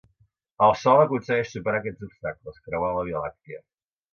El sol aconsegueix superar aquests obstacles, creuant la Via Làctia.